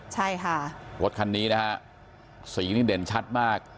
ใช่ค่ะรถคันนี้นะฮะสีนี่เด่นชัดมาก